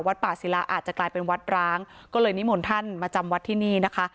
ป่าศิลาอาจจะกลายเป็นวัดร้างก็เลยนิมนต์ท่านมาจำวัดที่นี่นะคะ